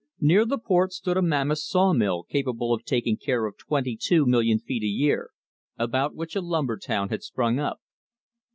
Near the port stood a mammoth sawmill capable of taking care of twenty two million feet a year, about which a lumber town had sprung up.